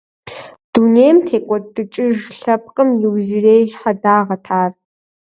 Дунейм текӀуэдыкӀыж лъэпкъым и иужьрей хьэдагъэт ар…